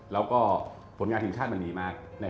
แล้วก็ผลงานทีมชาติมันดีมาก